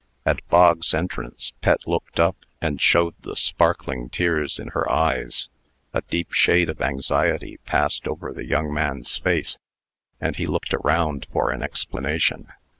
At Bog's entrance. Pet looked up, and showed the sparkling tears in her eyes. A deep shade of anxiety passed over the young man's face, and he looked around for an explanation.